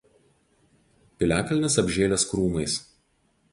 Piliakalnis apžėlęs krūmais.